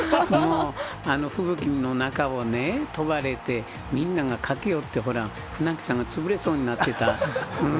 もう、吹雪の中をね、飛ばれて、みんなが駆け寄って、ほら、船木さんが潰れそうになってた。